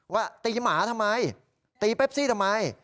ว่าตีหมาทำไมตีเปปซี่ทำไม